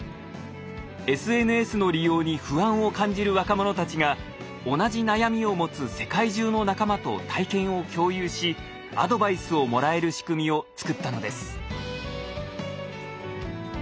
ＳＮＳの利用に不安を感じる若者たちが同じ悩みを持つ世界中の仲間と体験を共有しアドバイスをもらえる仕組みを作ったのです。